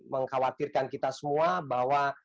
mengkhawatirkan kita semua bahwa